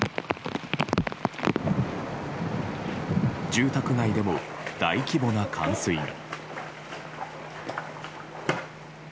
住宅街でも大規模な冠水が。